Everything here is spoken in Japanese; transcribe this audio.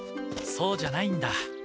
そうじゃないんだ。